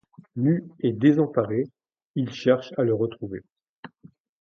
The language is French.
Nu et désemparé, il cherche à le retrouver.